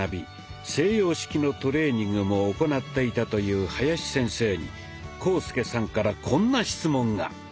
西洋式のトレーニングも行っていたという林先生に浩介さんからこんな質問が。